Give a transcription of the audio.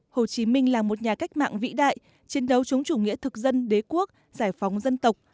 hồ chí minh là một nhà cách mạng vĩ đại chiến đấu chống chủ nghĩa thực dân đế quốc giải phóng dân tộc